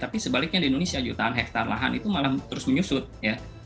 tapi sebaliknya di indonesia jutaan hektare lahan itu malah terus menyusut ya